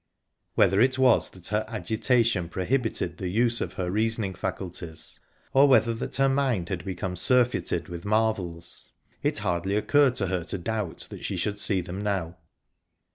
Whether it was that her agitation prohibited the use of her reasoning faculties, or whether that her mind had become surfeited with marvels, it hardly occurred to her to doubt that she should see them now.